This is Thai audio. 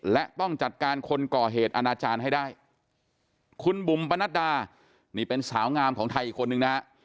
และต้องจัดการคนก่อเหตุอาณาจารย์ให้ได้คุณบุ๋มปนัดดานี่เป็นสาวงามของไทยอีกคนนึงนะฮะ